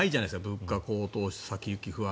物価高騰、先行き不安。